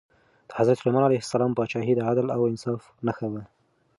د حضرت سلیمان علیه السلام پاچاهي د عدل او انصاف نښه وه.